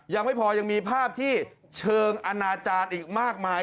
ยังไม่พอยังมีภาพที่เชิงอนาจารย์อีกมากมาย